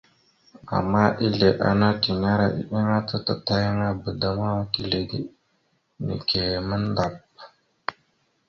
Ama ezle ana tinera iɗəŋa ta tatayaŋaba da ma tizlegeɗ nike mandap.